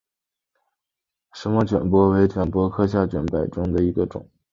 二歧卷柏为卷柏科卷柏属下的一个种。